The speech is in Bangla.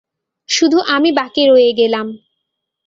শুধু আমি বাকী রয়ে গেলাম।